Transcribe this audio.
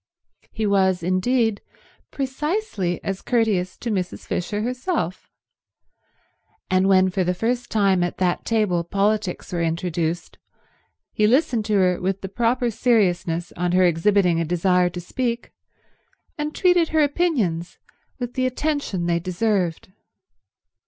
He was, indeed, precisely as courteous to Mrs. Fisher herself; and when for the first time at that table politics were introduced, he listened to her with the proper seriousness on her exhibiting a desire to speak, and treated her opinions with the attention they deserved.